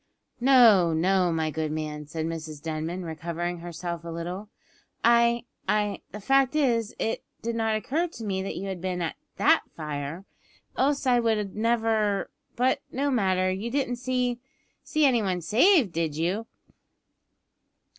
"No, no, my good man," said Mrs Denman, recovering herself a little. "I I the fact is, it did not occur to me that you had been at that fire, else I would never but no matter. You didn't see see any one saved, did you?"